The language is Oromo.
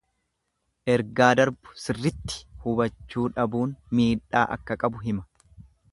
Ergaa darbu sirritti hubachuu dhabuun miidhaa akka qabu hima.